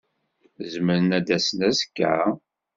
Zemren ad d-asen azekka?